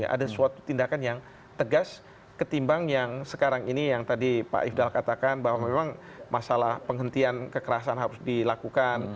ada suatu tindakan yang tegas ketimbang yang sekarang ini yang tadi pak ifdal katakan bahwa memang masalah penghentian kekerasan harus dilakukan